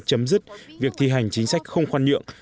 chấm dứt việc thi hành chính sách không khoan nhượng